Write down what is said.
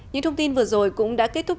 những thông tin vừa rồi cũng đã kết thúc